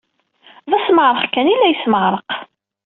D asmeɛreq kan ay la yesmeɛraq.